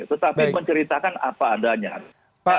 tetapi menceritakan apa adanya